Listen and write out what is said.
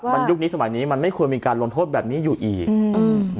มันยุคนี้สมัยนี้มันไม่ควรมีการลงโทษแบบนี้อยู่อีกอืม